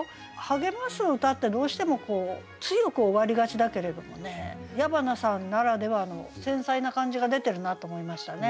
励ます歌ってどうしてもこう強く終わりがちだけれどもね矢花さんならではの繊細な感じが出てるなと思いましたね。